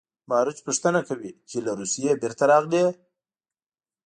باروچ پوښتنه کوي چې له روسیې بېرته راغلې